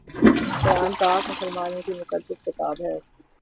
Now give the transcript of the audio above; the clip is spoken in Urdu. قرآن پاک مسلمانوں کی مقدس کتاب ہے